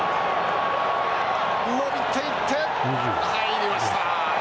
伸びていって、入りました。